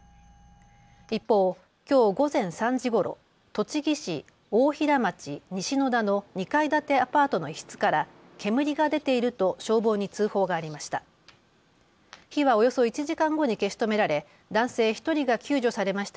一方、きょう午前３時ごろ栃木市大平町西野田の２階建てアパートの一室から煙が出ていると消防に通報がありました。